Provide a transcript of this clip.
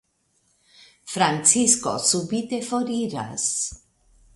Francisko subite foriras.